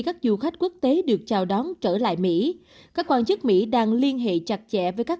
các du khách quốc tế được chào đón trở lại mỹ các quan chức mỹ đang liên hệ chặt chẽ với các